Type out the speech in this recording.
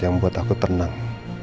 yang membuat aku tenang